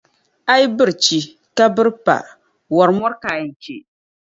A yi biri chi, ka biri pa, wɔri mɔri ka a yɛn che.